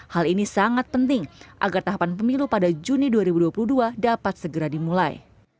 hal ini sangat penting agar tahapan pemilu pada juni dua ribu dua puluh dua dapat segera dimulai